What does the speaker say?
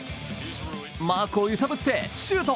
マークを揺さぶってシュート。